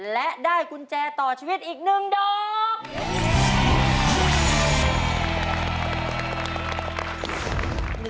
และได้กุญแจต่อชีวิตอีก๑ดอก